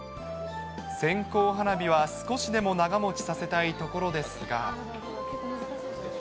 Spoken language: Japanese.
線香花火は少しでも長もちさせたいところですが。